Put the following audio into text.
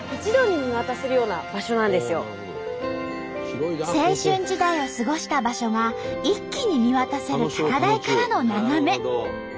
ここは青春時代を過ごした場所が一気に見渡せる高台からの眺め。